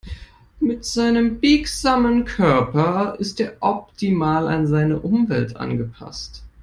Mit seinem biegsamen Körper ist er optimal an seine Umwelt angepasst.